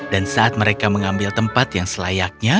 dan saat mereka mengambil tongkat